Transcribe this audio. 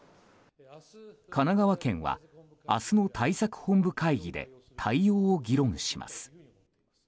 神奈川県は明日の対策本部会議で対応を議論します。